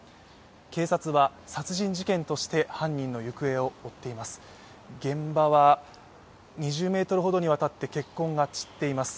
警察は殺人事件として犯人の行方を追っています。